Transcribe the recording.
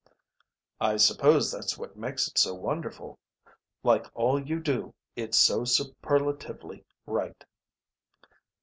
"I suppose that's what makes it so wonderful. Like all you do it's so superlatively right."